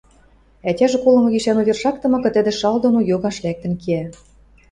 Ӓтяжӹ колымы гишӓн увер шактымыкы, тӹдӹ шал доно йогаш лӓктӹн кеӓ.